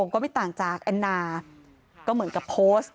ก็ไม่ต่างจากแอนนาก็เหมือนกับโพสต์